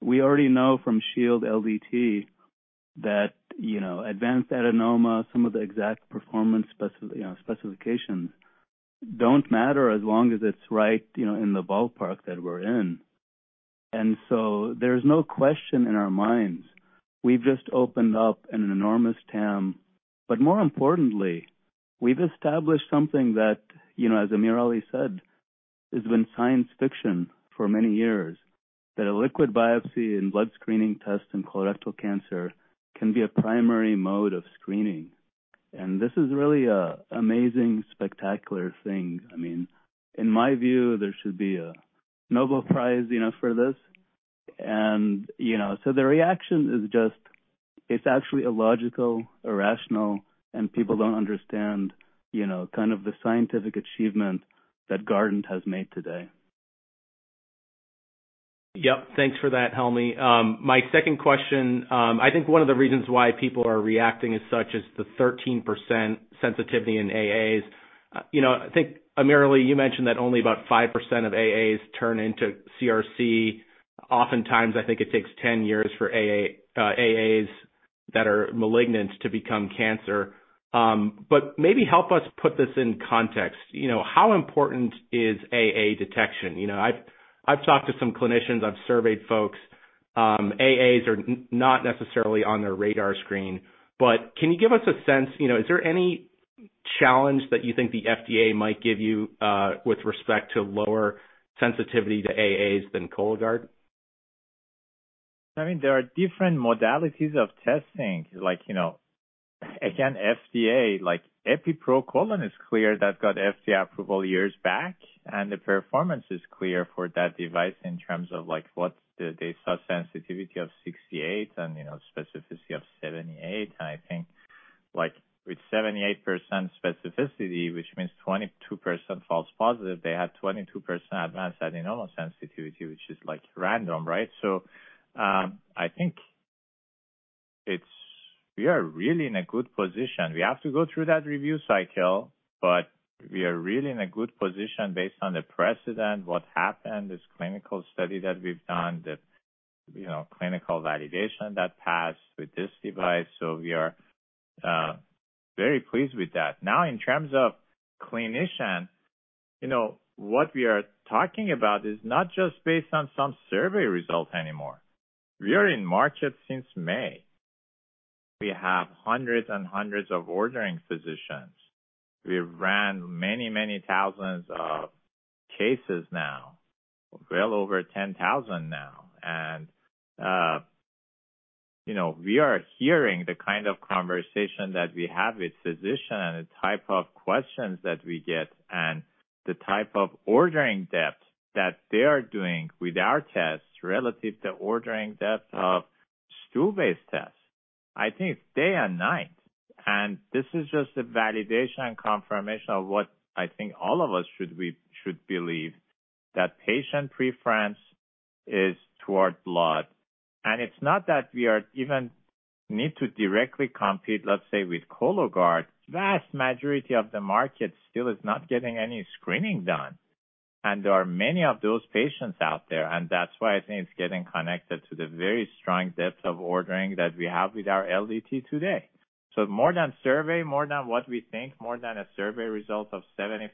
Speaker 13: We already know from Shield LDT that, you know, advanced adenoma, some of the exact performance specifications don't matter as long as it's right, you know, in the ballpark that we're in. There's no question in our minds. We've just opened up an enormous TAM. More importantly, we've established something that, you know, as AmirAli said, has been science fiction for many years, that a liquid biopsy and blood screening test in colorectal cancer can be a primary mode of screening. This is really a amazing, spectacular thing. I mean, in my view, there should be a Nobel Prize, you know, for this. You know, so the reaction is just, it's actually illogical, irrational, and people don't understand, you know, kind of the scientific achievement that Guardant has made today.
Speaker 14: Yep. Thanks for that, Helmy. My 2nd question, I think one of the reasons why people are reacting as such is the 13% sensitivity in AAs. You know, I think, Amirali, you mentioned that only about 5% of AAs turn into CRC. Oftentimes, I think it takes 10 years for AAs that are malignant to become cancer. Maybe help us put this in context. You know, how important is AA detection? You know, I've talked to some clinicians, I've surveyed folks. AAs are not necessarily on their radar screen, but can you give us a sense, you know, is there any challenge that you think the FDA might give you with respect to lower sensitivity to AAs than Cologuard?
Speaker 3: I mean, there are different modalities of testing, like, you know, again, FDA, like Epi proColon is clear. That got FDA approval years back, and the performance is clear for that device in terms of, like, what the sub-sensitivity of 68% and, you know, specificity of 78%, I think. Like with 78% specificity, which means 22% false positive, they had 22% advanced adenoma sensitivity, which is like random, right? I think we are really in a good position. We have to go through that review cycle, but we are really in a good position based on the precedent, what happened, this clinical study that we've done, the, you know, clinical validation that passed with this device. We are very pleased with that. In terms of clinician, you know, what we are talking about is not just based on some survey result anymore. We are in market since May. We have hundreds and hundreds of ordering physicians. We ran many, many thousands of cases now, well over 10,000 now. You know, we are hearing the kind of conversation that we have with physician and the type of questions that we get and the type of ordering depth that they are doing with our tests relative to ordering depth of stool-based tests. I think it's day and night. This is just a validation and confirmation of what I think all of us should believe, that patient preference is toward blood. It's not that we are even need to directly compete, let's say, with Cologuard. Vast majority of the market still is not getting any screening done, and there are many of those patients out there, and that's why I think it's getting connected to the very strong depth of ordering that we have with our LDT today. More than survey, more than what we think, more than a survey result of 75%,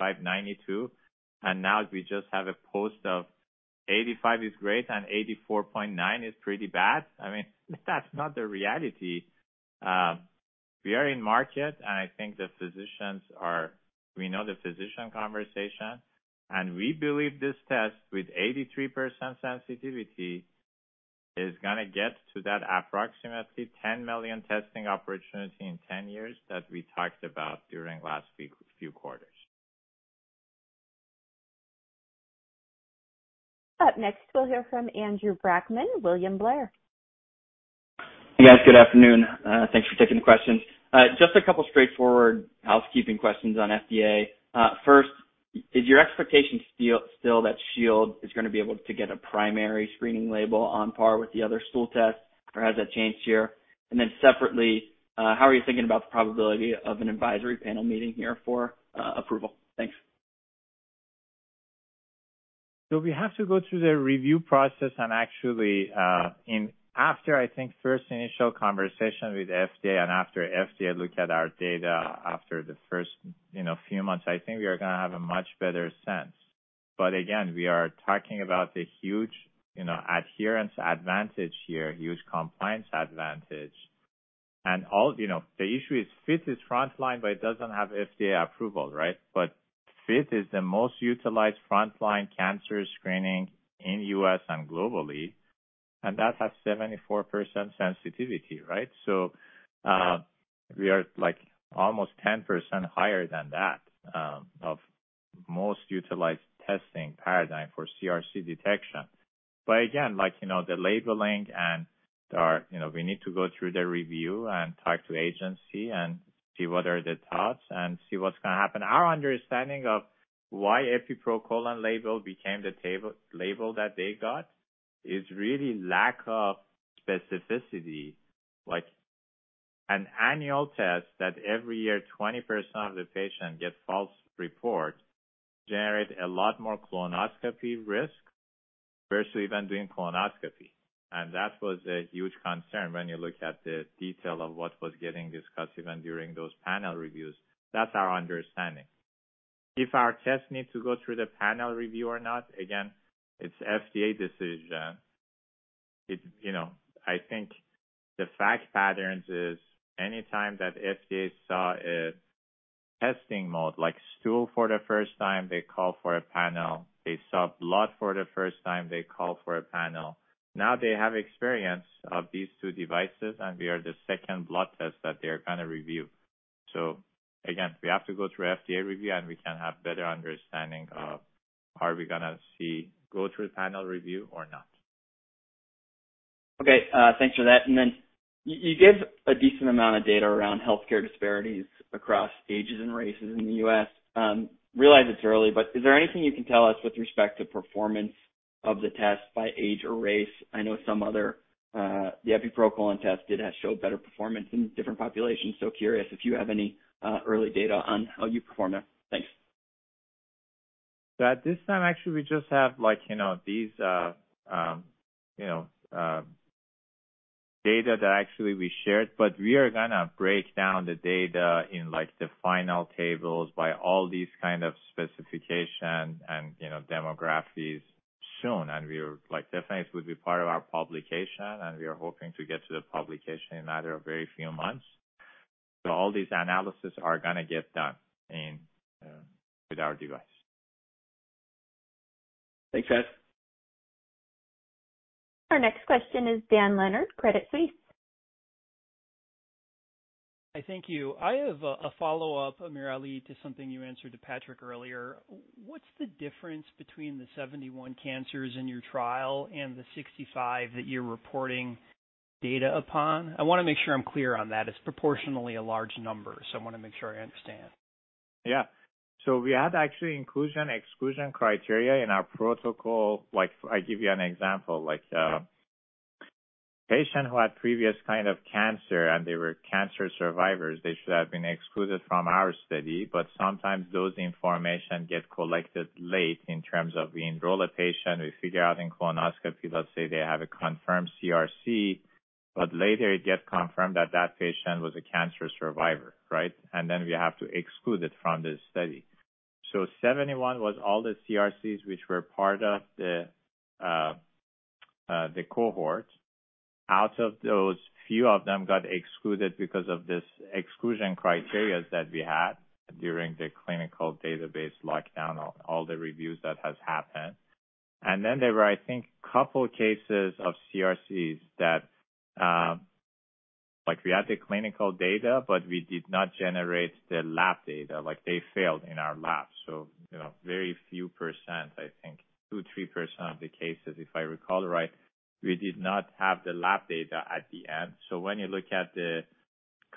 Speaker 3: 85%, 92%, and now we just have a post of 85% is great and 84.9% is pretty bad. I mean, that's not the reality. We are in market, and I think we know the physician conversation, and we believe this test with 83% sensitivity is gonna get to that approximately 10 million testing opportunity in 10 years that we talked about during few quarters.
Speaker 1: Up next, we'll hear from Andrew Brackmann, William Blair.
Speaker 15: Hey, guys. Good afternoon. Thanks for taking the questions. Just a couple straightforward housekeeping questions on FDA. First, is your expectation still that Shield is gonna be able to get a primary screening label on par with the other stool tests, or has that changed here? Separately, how are you thinking about the probability of an advisory panel meeting here for approval? Thanks.
Speaker 3: We have to go through the review process, and actually, in after, I think, 1st initial conversation with FDA and after FDA look at our data after the 1st, you know, few months, I think we are gonna have a much better sense. Again, we are talking about the huge, you know, adherence advantage here, huge compliance advantage. All, you know, the issue is FIT is frontline, but it doesn't have FDA approval, right? FIT is the most utilized frontline cancer screening in U.S. and globally, and that has 74% sensitivity, right? We are like almost 10% higher than that of most utilized testing paradigm for CRC detection. Again, like, you know, the labeling and our, you know, we need to go through the review and talk to agency and see what are the thoughts and see what's gonna happen. Our understanding of why Epi proColon label became the label that they got is really lack of specificity. Like, an annual test that every year 20% of the patient get false report generate a lot more colonoscopy risk versus even doing colonoscopy. That was a huge concern when you look at the detail of what was getting discussed even during those panel reviews. That's our understanding. If our test needs to go through the panel review or not, again, it's FDA decision. It, you know, I think the fact patterns is any time that FDA saw a testing mode like stool for the 1st time, they call for a panel. They saw blood for the 1st time, they call for a panel. They have experience of these two devices, and we are the 2nd blood test that they're gonna review. Again, we have to go through FDA review, and we can have better understanding of are we gonna see go through the panel review or not?
Speaker 15: Okay. Thanks for that. You give a decent amount of data around healthcare disparities across ages and races in the U.S. Realize it's early, but is there anything you can tell us with respect to performance of the test by age or race? I know some other, the Epi proColon test did show better performance in different populations. Curious if you have any early data on how you performed there. Thanks.
Speaker 3: At this time, actually, we just have like, you know, these, you know, data that actually we shared. We are gonna break down the data in like the final tables by all these kind of specification and, you know, demographies soon. We're like, definitely this would be part of our publication, and we are hoping to get to the publication in a matter of very few months. All these analysis are gonna get done with our device.
Speaker 15: Thanks, guys.
Speaker 1: Our next question is Dan Leonard, Credit Suisse.
Speaker 16: Hi. Thank you. I have a follow-up, AmirAli, to something you answered to Patrick earlier. What's the difference between the 71 cancers in your trial and the 65 that you're reporting data upon? I wanna make sure I'm clear on that. It's proportionally a large number, so I wanna make sure I understand.
Speaker 3: Yeah. We had actually inclusion/exclusion criteria in our protocol. Like, I give you an example. Like, patient who had previous kind of cancer and they were cancer survivors, they should have been excluded from our study, but sometimes those information get collected late in terms of we enroll a patient, we figure out in colonoscopy, let's say they have a confirmed CRC, but later it gets confirmed that that patient was a cancer survivor, right? Then we have to exclude it from the study. 71 was all the CRCs which were part of the cohort. Out of those, few of them got excluded because of this exclusion criteria that we had during the clinical database lockdown or all the reviews that has happened. There were, I think, a couple of cases of CRCs that, like, we had the clinical data, but we did not generate the lab data. Like, they failed in our lab. You know, very few percent, I think 2%-3% of the cases, if I recall right, we did not have the lab data at the end. When you look at the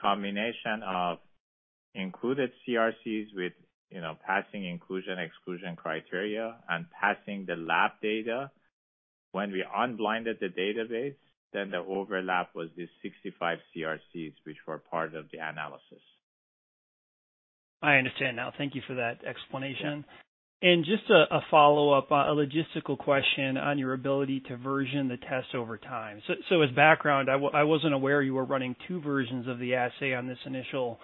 Speaker 3: combination of included CRCs with, you know, passing inclusion/exclusion criteria and passing the lab data, when we unblinded the database, then the overlap was the 65 CRCs which were part of the analysis.
Speaker 16: I understand now. Thank you for that explanation. Just a follow-up, a logistical question on your ability to version the test over time. As background, I wasn't aware you were running two versions of the assay on this initial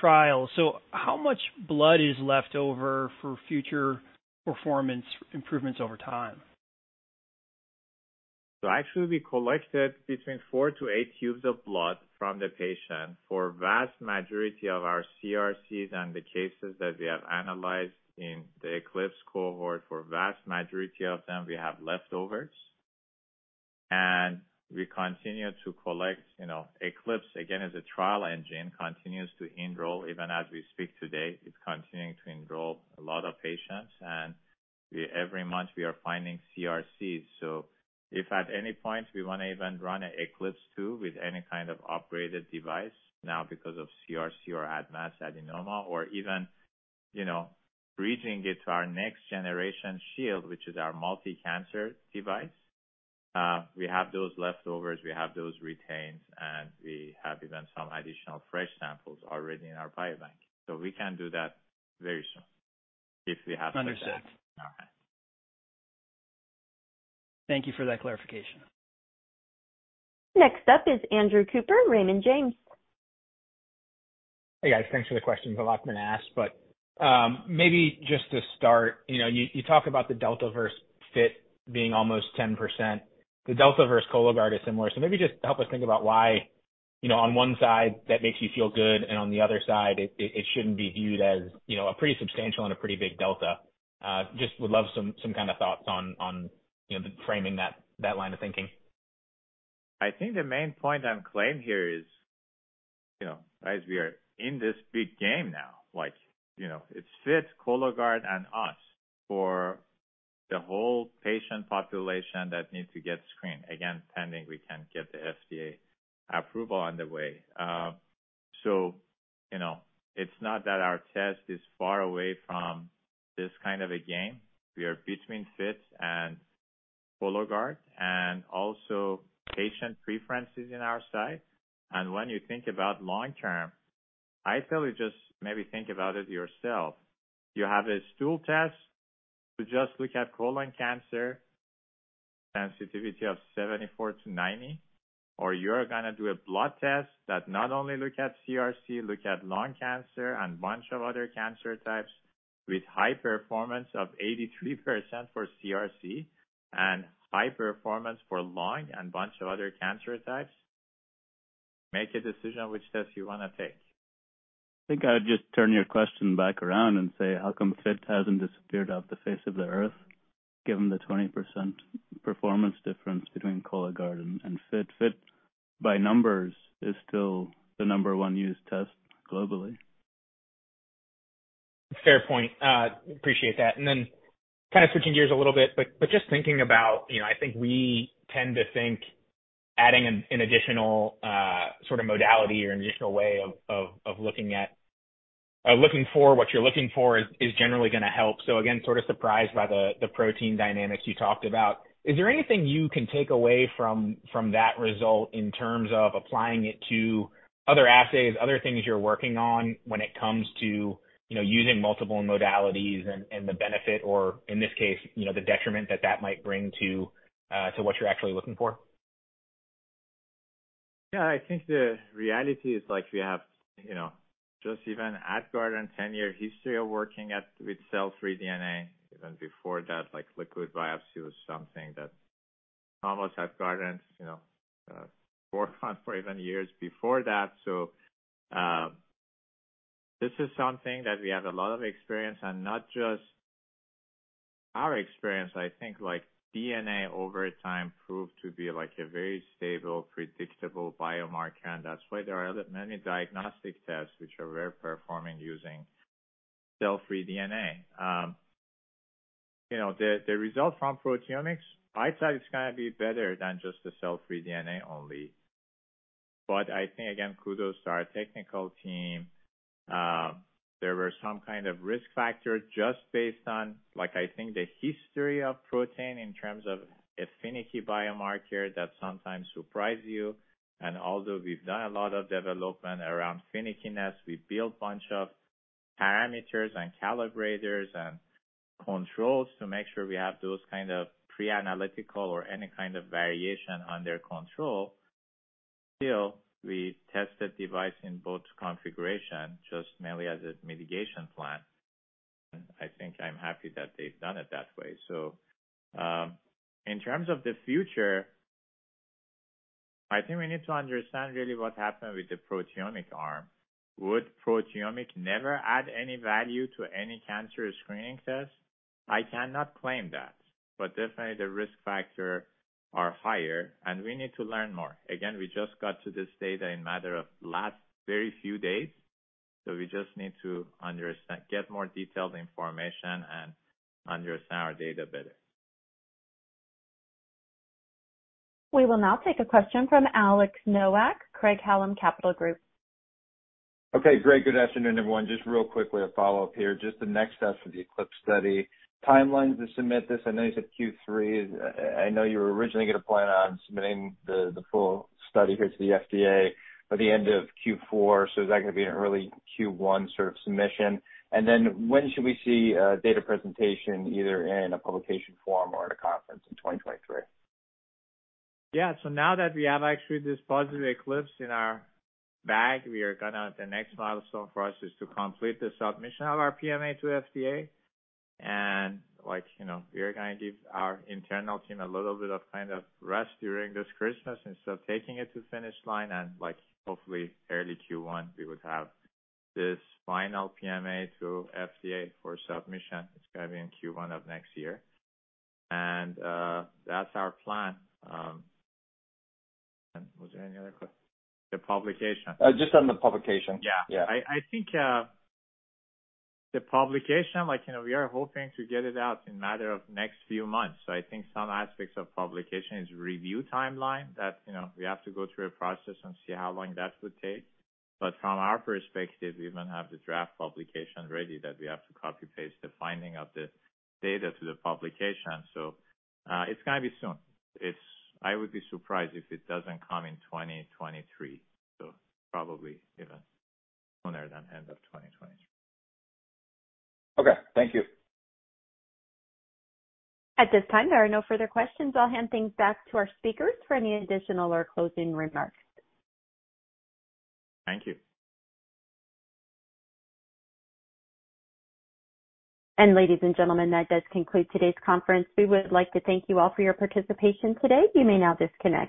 Speaker 16: trial. How much blood is left over for future performance improvements over time?
Speaker 3: Actually, we collected between four to eight tubes of blood from the patient. For vast majority of our CRCs and the cases that we have analyzed in the ECLIPSE cohort, for vast majority of them, we have leftovers. We continue to collect, you know, ECLIPSE, again, as a trial engine, continues to enroll even as we speak today. It's continuing to enroll a lot of patients, and every month we are finding CRCs. If at any point we wanna even run a ECLIPSE 2 with any kind of upgraded device now because of CRC or advanced adenoma or even, you know, bridging it to our next generation Shield, which is our multi-cancer device, we have those leftovers, we have those retains, and we have even some additional fresh samples already in our biobank. We can do that very soon if we have to do that.
Speaker 16: Understood.
Speaker 3: All right.
Speaker 16: Thank you for that clarification.
Speaker 1: Next up is Andrew Cooper, Raymond James.
Speaker 17: Hey, guys. Thanks for the questions. A lot have been asked. Maybe just to start, you know, you talk about the Delta versus FIT being almost 10%. The Delta versus Cologuard is similar. Maybe just help us think about why, you know, on one side that makes you feel good and on the other side it shouldn't be viewed as, you know, a pretty substantial and a pretty big Delta. Just would love some kind of thoughts on, you know, the framing that line of thinking.
Speaker 3: I think the main point and claim here is, you know, guys, we are in this big game now. Like, you know, it's FIT, Cologuard and us for the whole patient population that need to get screened. Again, pending we can get the FDA approval on the way. You know, it's not that our test is far away from this kind of a game. We are between FIT and Cologuard and also patient preferences in our site. When you think about long term, I tell you just maybe think about it yourself. You have a stool test to just look at colon cancer sensitivity of 74%-90%, or you're gonna do a blood test that not only look at CRC, look at lung cancer and bunch of other cancer types with high performance of 83% for CRC and high performance for lung and bunch of other cancer types. Make a decision which test you wanna take.
Speaker 13: I think I'd just turn your question back around and say, how come FIT hasn't disappeared off the face of the Earth, given the 20% performance difference between Cologuard and FIT? FIT, by numbers, is still the number one used test globally.
Speaker 17: Fair point. Appreciate that. Then kind of switching gears a little bit, but just thinking about, you know, I think we tend to think adding an additional sort of modality or an additional way of looking for what you're looking for is generally gonna help. Again, sort of surprised by the protein dynamics you talked about. Is there anything you can take away from that result in terms of applying it to other assays, other things you're working on when it comes to, you know, using multiple modalities and the benefit or in this case, you know, the detriment that that might bring to what you're actually looking for?
Speaker 3: Yeah. I think the reality is like we have, you know, just even Guardant 10 year history of working at with cell-free DNA, even before that, like, liquid biopsy was something that almost at Guardant, you know, worked on for even years before that. This is something that we have a lot of experience, and not just our experience. I think, like, DNA over time proved to be, like, a very stable, predictable biomarker, that's why there are many diagnostic tests which are very performing using cell-free DNA. You know, the result from proteomics, I'd say it's gonna be better than just the cell-free DNA only. I think, again, kudos to our technical team. There were some kind of risk factor just based on, like I think the history of protein in terms of a finicky biomarker that sometimes surprise you. Although we've done a lot of development around finickiness, we built bunch of parameters and calibrators and controls to make sure we have those kind of pre-analytical or any kind of variation under control. Still, we test the device in both configuration, just mainly as a mitigation plan. I think I'm happy that they've done it that way. In terms of the future, I think we need to understand really what happened with the proteomic arm. Would proteomic never add any value to any cancer screening test? I cannot claim that, but definitely the risk factor are higher, and we need to learn more. Again, we just got to this data in matter of last very few days, so we just need to understand, get more detailed information and understand our data better.
Speaker 1: We will now take a question from Alex Nowak, Craig-Hallum Capital Group.
Speaker 18: Okay, great. Good afternoon, everyone. Real quickly, a follow-up here. The next steps for the ECLIPSE study, timelines to submit this. I know you said Q3. I know you were originally gonna plan on submitting the full study here to the FDA by the end of Q4, is that gonna be an early Q1 sort of submission? When should we see data presentation either in a publication form or at a conference in 2023?
Speaker 3: Yeah. Now that we have actually this positive ECLIPSE in our bag. The next milestone for us is to complete the submission of our PMA to FDA. Like, you know, we are gonna give our internal team a little bit of kind of rest during this Christmas instead of taking it to finish line and, like, hopefully early Q1, we would have this final PMA to FDA for submission. It's gonna be in Q1 of next year. That's our plan. Was there any other? The publication.
Speaker 18: Just on the publication.
Speaker 3: Yeah.
Speaker 18: Yeah.
Speaker 3: I think, the publication, like, you know, we are hoping to get it out in matter of next few months. I think some aspects of publication is review timeline that, you know, we have to go through a process and see how long that would take. From our perspective, we even have the draft publication ready that we have to copy-paste the finding of the data to the publication. It's gonna be soon. I would be surprised if it doesn't come in 2023, so probably even sooner than end of 2023.
Speaker 18: Okay, thank you.
Speaker 1: At this time, there are no further questions. I'll hand things back to our speakers for any additional or closing remarks.
Speaker 3: Thank you.
Speaker 1: Ladies and gentlemen, that does conclude today's conference. We would like to thank you all for your participation today. You may now disconnect.